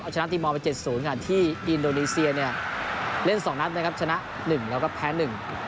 ชนะทีมอลไปเจ็ดศูนย์ค่ะที่อินโดนีเซียเนี่ยเล่นสองนัดนะครับชนะหนึ่งแล้วก็แพ้หนึ่ง